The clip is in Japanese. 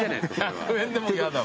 １００円でも嫌だわ。